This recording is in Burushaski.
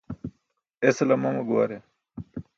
Esala mama guware